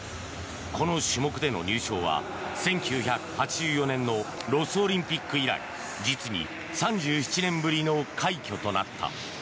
この種目での入賞は１９８４年のロスオリンピック以来実に３７年ぶりの快挙となった。